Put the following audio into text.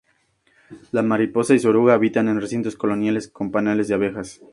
La mariposa y su oruga habitan en recintos coloniales con panales de abejas.